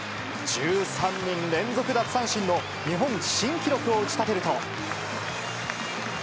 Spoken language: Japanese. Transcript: １３人連続奪三振の日本新記録を打ち立てると。